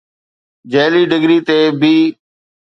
جعلي ڊگري تي بي